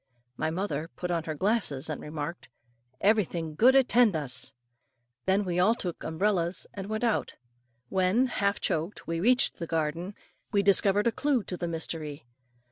My mother put on her glasses, and remarked, "Every good thing attend us!" Then we all took umbrellas, and went out. When, half choked, we reached the garden, we discovered a clue to the mystery.